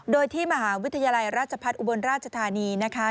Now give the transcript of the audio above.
โดยที่มหาวิทยาลัยราชพัฒน์อุบลราชธานีนะคะ